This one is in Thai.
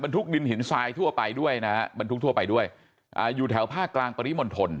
ทุกดินหินทรายทั่วไปด้วยนะฮะบรรทุกทั่วไปด้วยอ่าอยู่แถวภาคกลางปริมณฑล